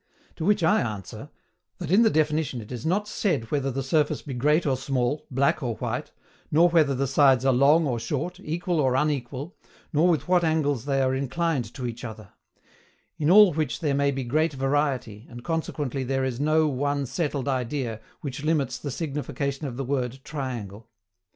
To which I answer, that in the definition it is not said whether the surface be great or small, black or white, nor whether the sides are long or short, equal or unequal, nor with what angles they are inclined to each other; in all which there may be great variety, and consequently there is NO ONE SETTLED IDEA which limits the signification of the word TRIANGLE.